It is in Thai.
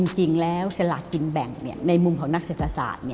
จริงแล้วสลากกินแบ่งในมุมของนักเศรษฐศาสตร์